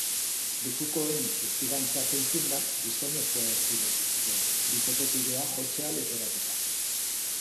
Lekukoen testigantzak entzunda, gizonezkoa atxilotu zuten, bikotekidea jotzea leporatuta.